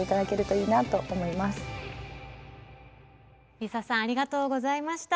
ＬｉＳＡさんありがとうございました。